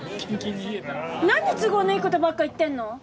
何都合のいいことばっか言ってんの？